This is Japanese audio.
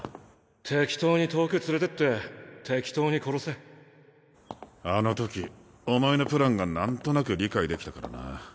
適当に遠く連れてって適当に殺せあのときお前のプランがなんとなく理解できたからな。